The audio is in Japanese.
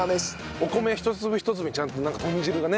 お米一粒一粒にちゃんと豚汁がね。